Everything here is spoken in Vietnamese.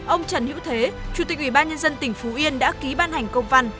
ông trần hữu thế chủ tịch ủy ban nhân dân tỉnh phú yên đã ký ban hành công văn